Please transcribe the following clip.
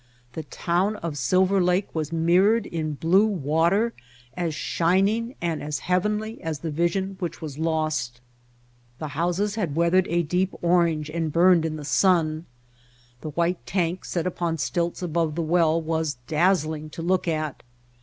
The town of Silver Lake was mirrored in blue water as shining and as heavenly as the vision which was lost. The houses had weathered a deep orange and burned in the sun. The white tank set upon stilts above the well was dazzling to look at.